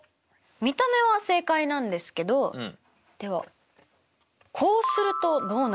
見た目は正解なんですけどではこうするとどうなりますか？